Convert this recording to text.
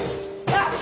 あっ！